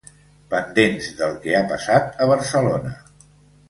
Pendents del que ha passat a Barcelona.